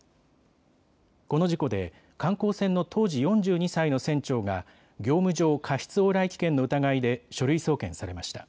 この事故で観光船の当時４２歳の船長が業務上過失往来危険の疑いで書類送検されました。